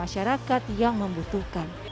masyarakat yang membutuhkan